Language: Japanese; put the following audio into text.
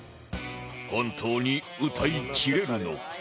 本当に歌いきれるのか？